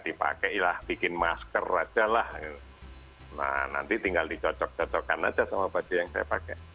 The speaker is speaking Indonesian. dipakai lah bikin masker ajalah nah nanti tinggal dicocok cocokkan aja sama baju yang saya pakai